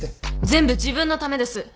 全部自分のためです。